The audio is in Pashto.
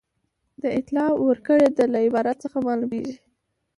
د اطلاع ورکړې ده له عبارت څخه معلومیږي.